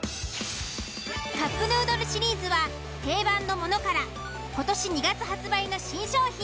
カップヌードルシリーズは定番のものから今年２月発売の新商品